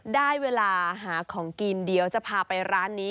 ได้เวลาหาของกินเดี๋ยวจะพาไปร้านนี้